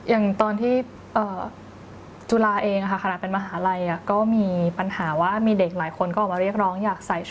อย่างตอนที่จุฬาเองคณะเป็นมหาลัย